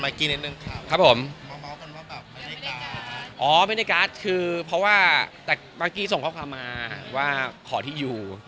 อ๋อผู้ชิงได้การตัดประชาจเป็นเพราะว่ามากี้ก็ส่งข้อความมาว่าขอที่อยู่